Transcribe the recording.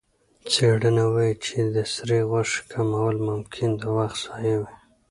څېړنه وايي چې د سرې غوښې کمول ممکن د وخت ضایع وي.